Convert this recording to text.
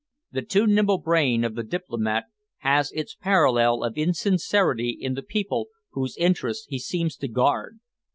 The too nimble brain of the diplomat has its parallel of insincerity in the people whose interests he seems to guard.